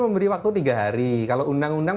memberi waktu tiga hari kalau undang undang